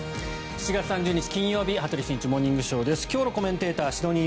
７月３０日、金曜日「羽鳥慎一モーニングショー」。